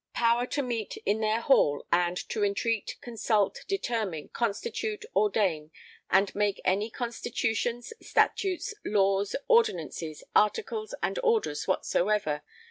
[Power to meet in their hall and] to entreat consult determine constitute ordain and make any Constitutions Statutes Laws Ordinances Articles and Orders whatsoever